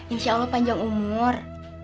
insya allah panjang umur